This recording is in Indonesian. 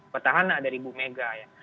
petahana dari bumega ya